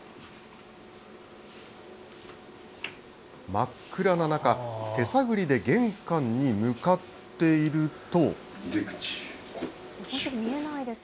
真っ暗な中、手探りで玄関に向かっていると。